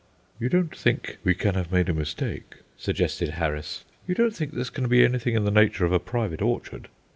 "You don't think we can have made a mistake?" suggested Harris. "You don't think this can be anything in the nature of a private orchard?"